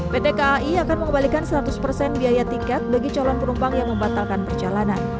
pt kai akan mengembalikan seratus persen biaya tiket bagi calon penumpang yang membatalkan perjalanan